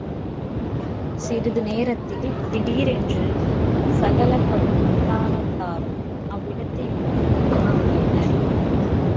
சிறிது நேரத்தில் திடீரென்று சகல பட்டாளத்தாரும் அவ்விடத்தை விட்டு மறைந்து போயினர்.